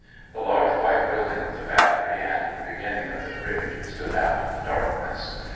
The large white building of the battery, and the beginning of the bridge stood out in the darkness.